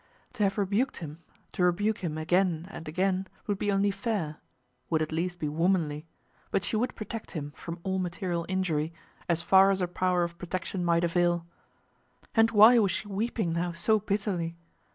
To have rebuked him, to rebuke him again and again, would be only fair, would at least be womanly; but she would protect him from all material injury as far as her power of protection might avail. And why was she weeping now so bitterly?